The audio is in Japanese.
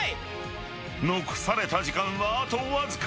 ［残された時間はあとわずか］